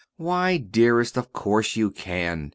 "Why, dearest, of course you can!